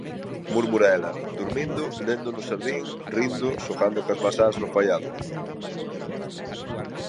murmura ela, “durmindo; lendo no xardín; rindo, xogando coas mazás no faiado.